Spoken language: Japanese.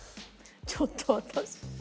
ちょっと私。